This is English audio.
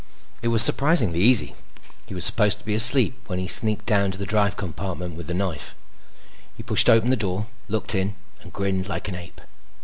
It was surprisingly easy. He was supposed to be asleep when he sneaked down to the drive compartment with the knife. He pushed open the door, looked in, and grinned like an ape.